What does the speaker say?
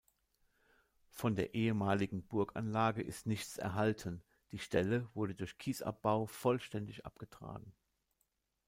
Von der ehemaligen Burganlage ist nichts erhalten, die Stelle wurde durch Kiesabbau vollständig abgetragen.